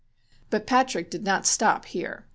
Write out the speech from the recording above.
But Patrick did not stop here.